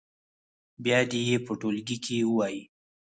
بیا دې یې په ټولګي کې ووایي.